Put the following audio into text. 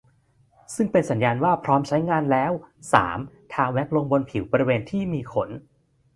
ซึ่งเป็นสัญญาณว่าพร้อมใช้งานแล้ว สาม ทาแว็กซ์ลงบนผิวบริเวณที่มีขน